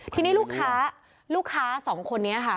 ทีนี้ลูกค้าลูกค้าสองคนนี้ค่ะ